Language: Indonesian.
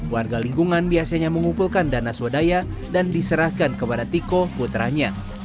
warga lingkungan biasanya mengumpulkan dana swadaya dan diserahkan kepada tiko putranya